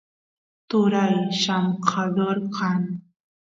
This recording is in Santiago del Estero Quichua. turay llamkador kan